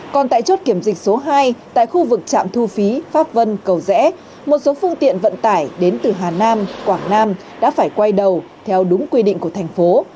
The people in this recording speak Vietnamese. còn tại chốt kiểm dịch số hai tại khu vực trạm thu phí pháp vân cầu rẽ một số phương tiện vận tải đến từ hà nam quảng nam đã phải quay đầu theo đúng quy định của thành phố